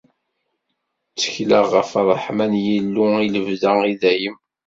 Ttekleɣ ɣef ṛṛeḥma n Yillu, i lebda, i dayem.